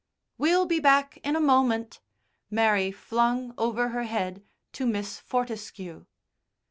"We'll be back in a moment," Mary flung over her head to Miss Fortescue.